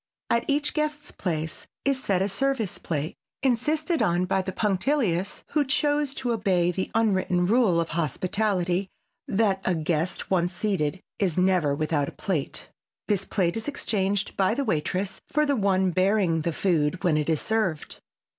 At each guest's place, is set a "service plate," insisted on by the punctilious who choose to obey the unwritten rule of hospitality that a guest once seated is never without a plate. This plate is exchanged by the waitress for the one bearing the food when it is served.